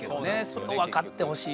それを分かってほしいな。